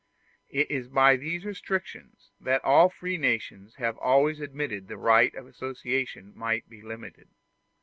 It is by these restrictions that all free nations have always admitted that the right of association might be limited.